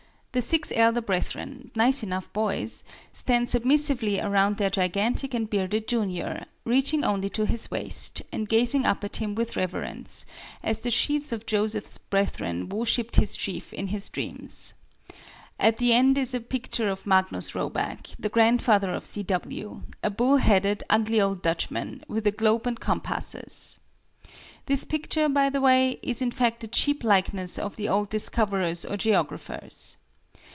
The six elder brethren nice enough boys stand submissively around their gigantic and bearded junior, reaching only to his waist, and gazing up at him with reverence, as the sheaves of Joseph's brethren worshipped his sheaf in his dream. At the end is a picture of Magnus Roback, the grandfather of C. W., a bull headed, ugly old Dutchman, with a globe and compasses. This picture, by the way, is in fact a cheap likeness of the old discoverers or geographers.